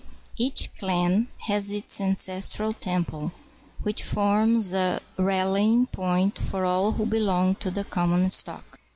Each clan has its ancestral temple, which forms a rallying point for all who belong to the common stock.